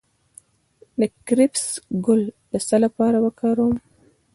د کرفس ګل د څه لپاره وکاروم؟